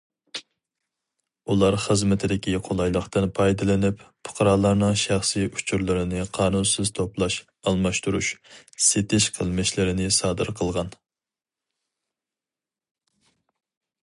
ئۇلار خىزمىتىدىكى قولايلىقتىن پايدىلىنىپ، پۇقرالارنىڭ شەخسىي ئۇچۇرلىرىنى قانۇنسىز توپلاش، ئالماشتۇرۇش، سېتىش قىلمىشلىرىنى سادىر قىلغان.